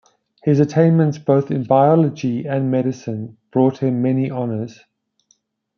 His attainments, both in biology and medicine, brought him many honours.